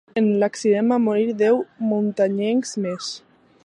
En l'accident van morir deu muntanyencs més.